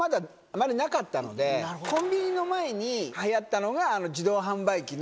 コンビニの前に流行ったのがあの自動販売機の。